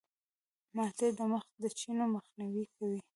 مالټې د مخ د چینو مخنیوی کوي.